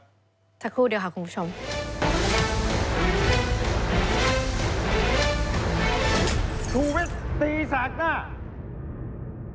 สักครู่เดียวค่ะคุณผู้ชม